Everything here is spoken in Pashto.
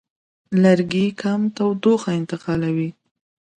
لرګي کم تودوخه انتقالوي.